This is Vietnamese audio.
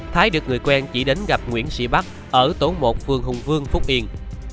thái được người quen chỉ đến gặp nguyễn sĩ bắc ở tổ một phường hùng vương phúc yên